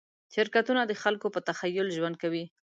شرکتونه د خلکو په تخیل ژوند کوي.